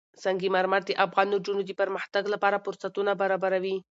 سنگ مرمر د افغان نجونو د پرمختګ لپاره فرصتونه برابروي.